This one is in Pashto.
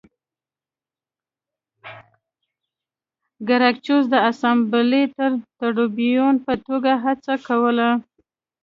ګراکچوس د اسامبلې د ټربیون په توګه هڅه کوله